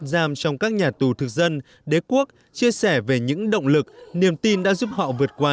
giam trong các nhà tù thực dân đế quốc chia sẻ về những động lực niềm tin đã giúp họ vượt qua